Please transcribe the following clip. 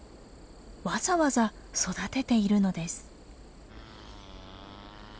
わざわざ育てているのです。